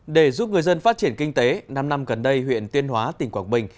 để giúp người dân phát triển kinh tế năm năm gần đây huyện tuyên hóa tỉnh quảng bình